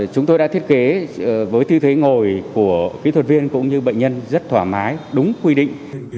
chúng tôi đã thiết kế với tư thế ngồi của kỹ thuật viên cũng như bệnh nhân rất thoải mái đúng quy định